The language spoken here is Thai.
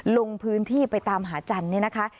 ลงพื้นที่ไปตามหาจันทร์เนี่ยนะคะ